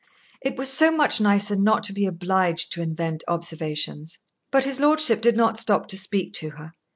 It was so much nicer not to be obliged to invent observations. But his lordship did not stop to speak to her.